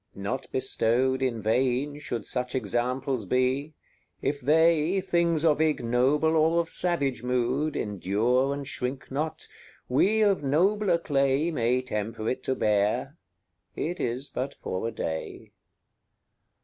Not bestowed In vain should such examples be; if they, Things of ignoble or of savage mood, Endure and shrink not, we of nobler clay May temper it to bear, it is but for a day.